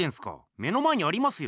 目の前にありますよ。